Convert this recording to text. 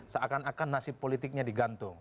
seakan akan nasib politiknya digantung